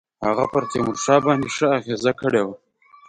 هغه پر تیمورشاه باندي ښه اغېزه کړې وه.